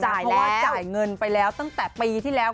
เพราะว่าจ่ายเงินไปแล้วตั้งแต่ปีที่แล้ว